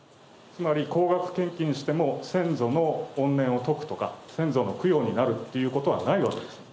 つまり、高額献金しても先祖の怨念を解くとか、先祖の供養になるということはないわけですね。